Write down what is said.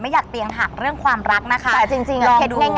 ไม่อยากเตียงหักเรื่องความรักนะคะจริงลองดู